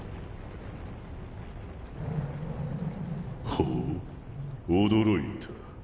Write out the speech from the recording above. ほう驚いた。